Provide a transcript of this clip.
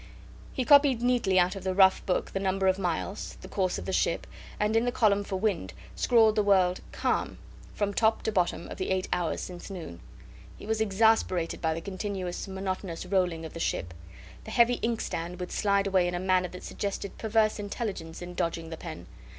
He copies neatly out of the rough book the number of miles, the course of the ship, and in the column for "wind" scrawled the word "calm" from top to bottom of the eight hours since noon. He was exasperated by the continuous, monotonous rolling of the ship. The heavy inkstand would slide away in a manner that suggested perverse intelligence in dodging the pen.